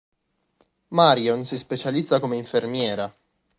Marion si specializza come infermiera.